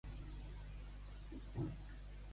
Per vagar, anar a Sant Jaume.